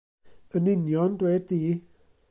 Yn union, dwed di.